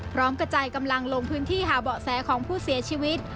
กระจายกำลังลงพื้นที่หาเบาะแสของผู้เสียชีวิต